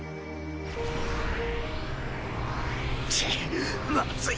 ちっまずい！